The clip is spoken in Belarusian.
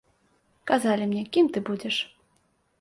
Казалі мне, кім ты будзеш?